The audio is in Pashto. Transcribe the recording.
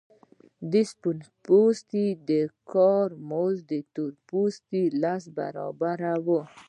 د سپین پوستو د کار مزد د تور پوستو لس برابره وو